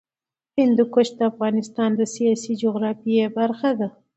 هندوکش د افغانستان د سیاسي جغرافیه برخه ده.